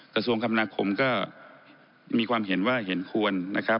กระทรวงคำนาคมก็มีความเห็นว่าเห็นควรนะครับ